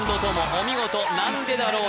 お見事「なんでだろう」